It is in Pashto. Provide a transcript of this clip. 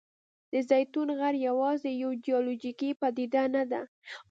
د زیتون غر یوازې یوه جیولوجیکي پدیده نه ده.